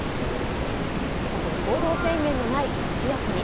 行動制限のない夏休み。